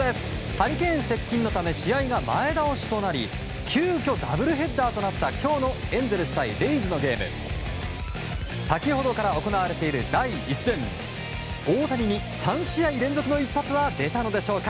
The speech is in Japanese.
ハリケーン接近のため試合が前倒しとなり急きょ、ダブルヘッダーとなった今日のエンゼルス対レイズのゲーム先ほどから行われている第１戦大谷に３試合連続の一発は出たのでしょうか？